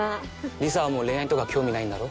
理沙はもう恋愛とか興味ないんだろ？